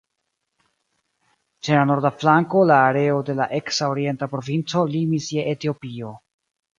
Ĉe la norda flanko la areo de la eksa orienta provinco limis je Etiopio.